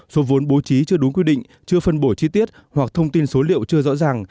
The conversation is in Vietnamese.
số vốn bố trí chưa đúng quy định chưa phân bổ chi tiết hoặc thông tin số liệu chưa rõ ràng